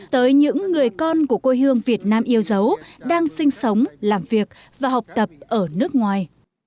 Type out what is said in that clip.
tới những người con của quê hương việt nam yêu dấu đang sinh sống làm việc và học tập ở nước ngoài